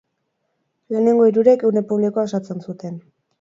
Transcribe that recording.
Lehenengo hirurek, gune publikoa osatzen zuten.